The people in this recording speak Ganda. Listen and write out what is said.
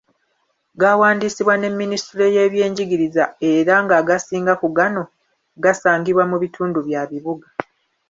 Gaawandiisibwa ne minisitule y’ebyenjigiriza era ng’agasinga ku gano gasangibwa mu bitundu bya bibuga.